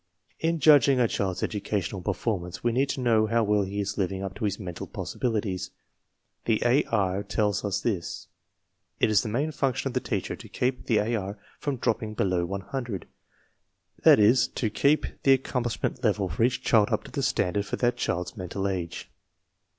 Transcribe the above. In judging a child's educational performance we need to know how well he is living up to his mental possibilities. The AR tells us this. It is the main function of the teacher to keep the 26 TESTS AND SCHOOL REORGANIZATION AR from dropping below 100; that is, to keep the ac complishment level for each child up to the standard for that child's mental age.